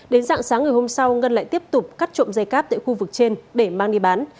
đến dạng sáng ngày hôm sau ngân lại tiếp tục cắt trộm dây cáp tại khu vực trên để mang đi bán